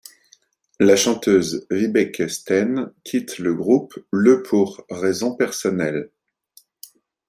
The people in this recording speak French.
La chanteuse Vibeke Stene quitte le groupe le pour raisons personnelles.